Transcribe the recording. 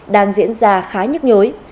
đang diễn ra khá nhức nhối